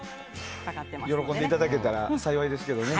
喜んでいただけたら幸いですけどね。